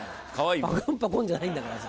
「パコンパコン」じゃないんだからさ。